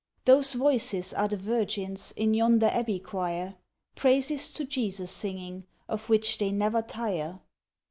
Those voices are the Virgins, In yonder Abbey Choir, Praises to Jesus singing, Of which they never tire.